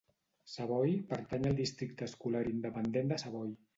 Savoy pertany al districte escolar independent de Savoy.